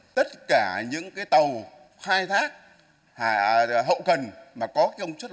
tất cả những tàu khai thác hậu cần